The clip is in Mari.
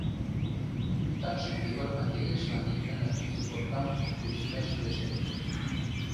Такшым, Егор Пантелеичлан ик гана кӱсӧ коркам кучыкташ кӱлеш ыле.